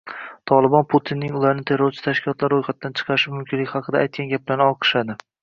Tolibon Putinning ularni terrorchi tashkilotlar ro‘yxatidan chiqarishi mumkinligi haqida aytgan gaplarini olqishladi